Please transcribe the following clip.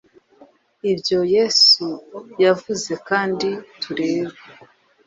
ibyo yesu yavuze kandi turebe